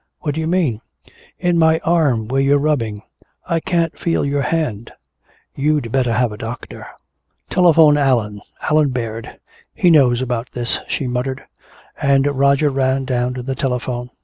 "What do you mean?" "In my arm where you're rubbing I can't feel your hand." "You'd better have a doctor!" "Telephone Allan Allan Baird. He knows about this," she muttered. And Roger ran down to the telephone.